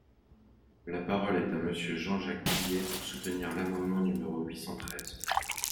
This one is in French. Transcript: La parole est à Monsieur Jean-Jacques Guillet, pour soutenir l’amendement numéro huit cent treize.